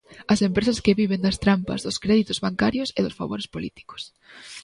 As empresas que viven das trampas, dos créditos bancarios e dos favores políticos.